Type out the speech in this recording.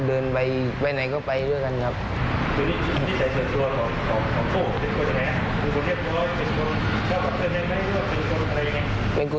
เป็นคนไม่อื่นกับใครครับชอบดู